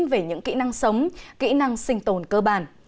về những kỹ năng sống kỹ năng sinh tồn cơ bản